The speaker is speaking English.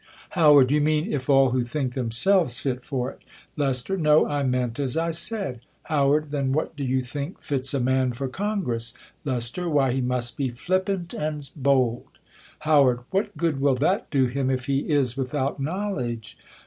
! Hcw. You mean, ii all who think themselves fit 'for it. 'Lest, No ; I meant as I said. j How. Then what do you think fits a man for Con gress ? Lest, Why he must be f.^ppant and bold. How, Wiiat g0od will that do him, if he is without [knowledge